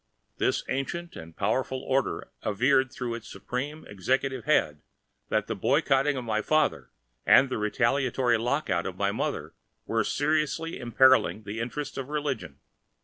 This ancient and powerful order averred through its Supreme Executive Head that the boycotting of my father and the retaliatory lock out of my mother were seriously imperiling the interests of religion.